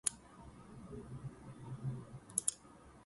I also appreciate the friendships I have made with my classmates.